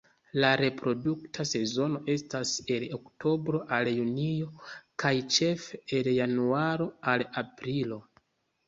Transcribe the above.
La reprodukta sezono estas el oktobro al junio kaj ĉefe el januaro al aprilo.